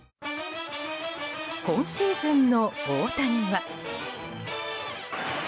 今シーズンの大谷は。